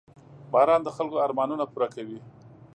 • باران د خلکو ارمانونه پوره کوي.